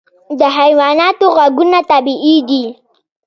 د حیواناتو غږونه طبیعي دي.